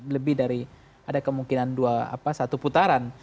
lima puluh satu lebih dari ada kemungkinan satu putaran